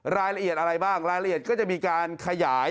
รายละเอียดอะไรบ้างรายละเอียดก็จะมีการขยาย